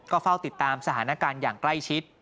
เฝ้าติดตามสถานการณ์อย่างใกล้ชิด